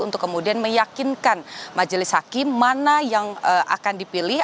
untuk kemudian meyakinkan majelis hakim mana yang akan dipilih